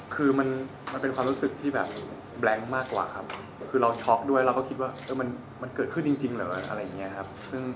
คือมันเป็นความรู้สึกที่แบบแบล็งมากกว่าครับคือเราช็อกด้วยเราก็คิดว่ามันเกิดขึ้นจริงเหรอวะอะไรอย่างนี้ครับ